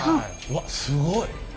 うわっすごい。